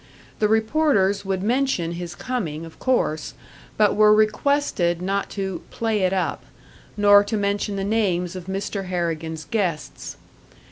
The reporters would mention his coming, of course, but were requested not to "play it up," nor to mention the names of Mr. Harrigan's guests.